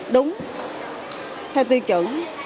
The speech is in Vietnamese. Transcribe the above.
đúng theo tư trưởng